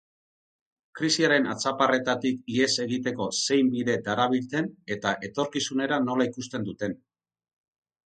Krisiaren hatzaparretatik ihes egiteko zein bide darabilten eta etorkizunera nola ikusten duten.